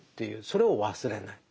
それを忘れない。